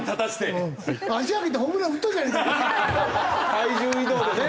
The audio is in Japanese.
体重移動でね！